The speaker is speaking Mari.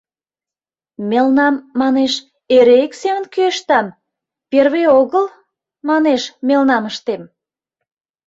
— Мелнам, манеш, эре ик семын кӱэштам, первый огыл, манеш, мелнам ыштем.